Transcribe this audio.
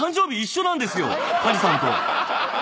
梶さんと。